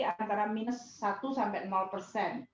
antara minus satu sampai persen